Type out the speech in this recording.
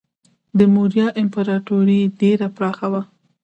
د موریا امپراتوري ډیره پراخه وه.